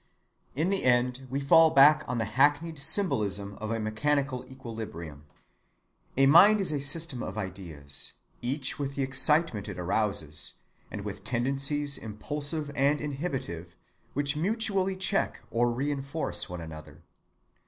In the end we fall back on the hackneyed symbolism of a mechanical equilibrium. A mind is a system of ideas, each with the excitement it arouses, and with tendencies impulsive and inhibitive, which mutually check or reinforce one another.